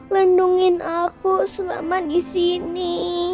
lindungin aku selama disini